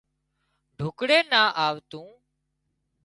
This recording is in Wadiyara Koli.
ڍوڪڙي نا آوتون